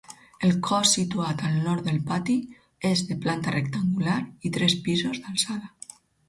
El cos situat al nord del pati és de planta rectangular i tres pisos d'alçada.